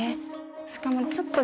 しかもちょっとね